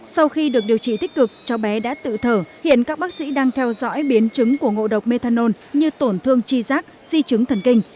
sau khi được điều trị tích cực cháu bé đã tự thở hiện các bác sĩ đang theo dõi biến chứng của ngộ độc methanol như tổn thương chi giác di chứng thần kinh